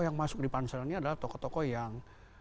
yang masuk di pansel ini adalah tokoh tokoh yang